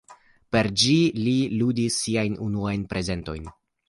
Per ĝi li ludis siajn unuajn prezentojn.